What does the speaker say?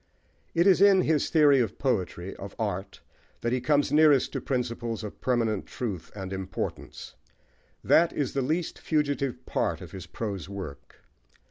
It is in his theory of poetry, of art, that he comes nearest to principles of permanent truth and importance: that is the least fugitive part of his prose work.